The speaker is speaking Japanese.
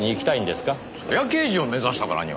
そりゃ刑事を目指したからには。